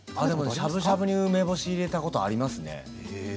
しゃぶしゃぶに梅干しを入れたことがありますね。